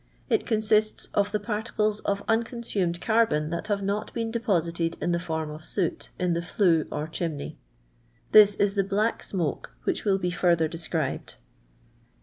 It consists of the particles of unconsumed carbon which have not been deposited in the form of soot in the flue or chimney. This is the black smoke which will be further described.